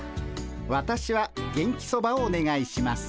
わたしは元気そばをおねがいします。